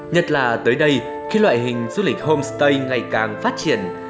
nhất là tới đây khi loại hình du lịch homestay ngày càng phát triển